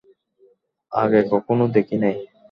আগে কখনো দেখি নাই।